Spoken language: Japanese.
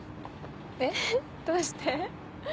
えっどうして？